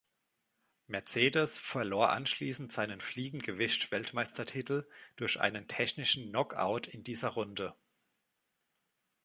Mercedes verlor anschließend seinen Fliegengewicht-Weltmeistertitel durch einen technischen Knockout in dieser Runde.